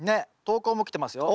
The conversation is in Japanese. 投稿も来てますよ。